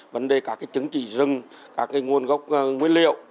vấn đề cả trứng trị rừng các nguồn gốc nguyên liệu